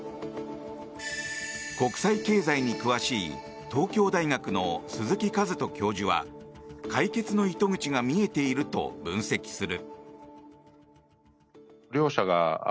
国際経済に詳しい東京大学の鈴木一人教授は解決の糸口が見えていると分析する。